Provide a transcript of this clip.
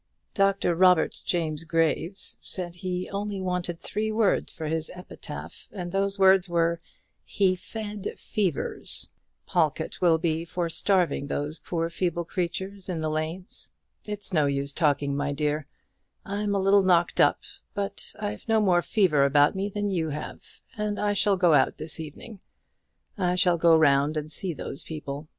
Dr. Robert James Graves said he only wanted three words for his epitaph, and those words were, 'HE FED FEVERS.' Pawlkatt will be for starving these poor feeble creatures in the lanes. It's no use talking, my dear; I'm a little knocked up, but I've no more fever about me than you have, and I shall go out this evening. I shall go round and see those people.